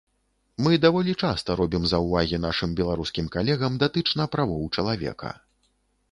Мы даволі часта робім заўвагі нашым беларускім калегам датычна правоў чалавека.